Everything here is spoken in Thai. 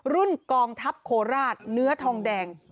กองทัพโคราชเนื้อทองแดง